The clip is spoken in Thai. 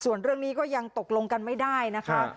ส่วนเรื่องนี้ก็ยังตกลงกันไม่ได้นะคะ